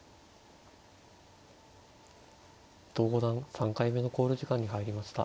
伊藤五段３回目の考慮時間に入りました。